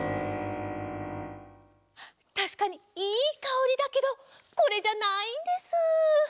たしかにいいかおりだけどこれじゃないんです。